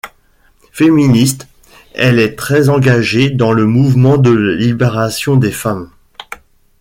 Féministe, elle est très engagée dans le Mouvement de libération des femmes.